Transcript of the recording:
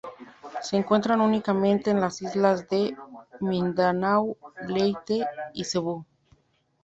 Se encuentra únicamente en las islas de Mindanao, Leyte y Cebú.